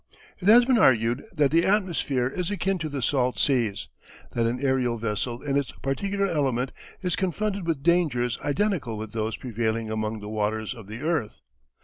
It has been argued that the atmosphere is akin to the salt seas; that an aerial vessel in its particular element is confronted with dangers identical with those prevailing among the waters of the earth.